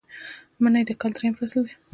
منی د کال دریم فصل دی